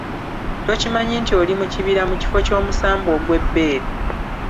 Tokimanyi nti oli mu kibira mu kifo ky'omusambwa ogw'ebbeere.